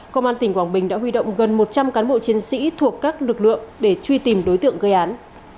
công an tỉnh quảng bình đã huy động gần một trăm linh cán bộ chiến sĩ thuộc các lực lượng để truy tìm đối tượng gây án